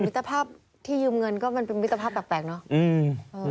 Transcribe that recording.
ตภาพที่ยืมเงินก็มันเป็นมิตรภาพแปลกเนอะ